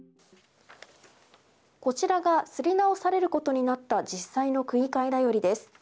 こちらが刷り直されることになった実際の区議会だよりです。